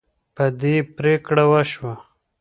په دې پریکړه وشوه.